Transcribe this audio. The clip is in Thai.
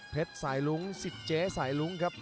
เพชรสายรุ้งศิษย์เจ๊สายรุ้งครับ